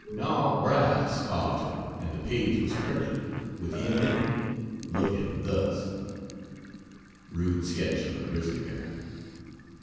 Nahl Bras. carved him and the page was printed, with him in it, looking thus: [Rude sketch of a grizzly bear.